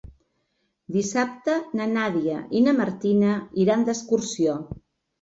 Dissabte na Nàdia i na Martina iran d'excursió.